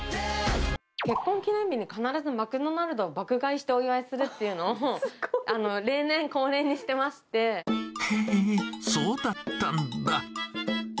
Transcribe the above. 結婚記念日に必ず、マクドナルドを爆買いしてお祝いするっていうのを、例年、へー、そうだったんだ。